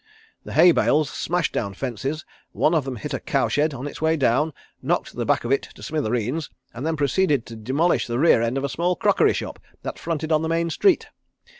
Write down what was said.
The hay bales smashed down fences; one of them hit a cow shed on its way down, knocked the back of it to smithereens and then proceeded to demolish the rear end of a small crockery shop that fronted on the main street.